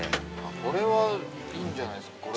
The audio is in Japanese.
◆これはいいんじゃないですか。